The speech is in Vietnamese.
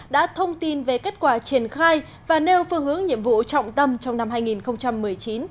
đã thông tin về kết quả triển khai và nêu phương hướng nhiệm vụ trọng tâm trong năm hai nghìn một mươi chín